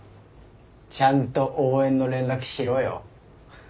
ちゃんと応援の連絡しろよ。